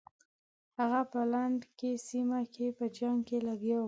هغه په لنډکي سیمه کې په جنګ لګیا وو.